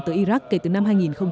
tới iraq kể từ năm hai nghìn một mươi